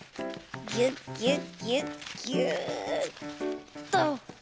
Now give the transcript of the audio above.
ぎゅっぎゅっぎゅっぎゅっと。